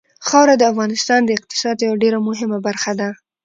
خاوره د افغانستان د اقتصاد یوه ډېره مهمه برخه ده.